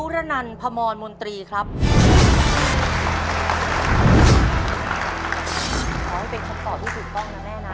ขอให้เป็นคำตอบคุณคล่องนะแม่นะ